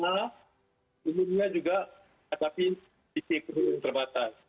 kemudiannya juga tetapi di sisi ekonomi terbatas